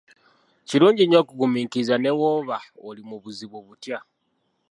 Kirungi nnyo okugumiikiriza ne bwoba oli mu buzibu butya.